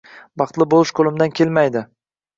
— Baxtli bo’lish qo’limdan kelmaydi.